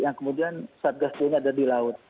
yang kemudian satgas ini ada di laut